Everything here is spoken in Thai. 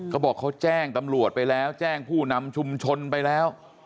เขาบอกเขาแจ้งตำรวจไปแล้วแจ้งผู้นำชุมชนไปแล้ว